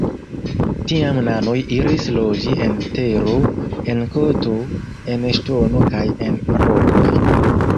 Tiam nanoj iris loĝi en tero, en koto, en ŝtono kaj en rokoj.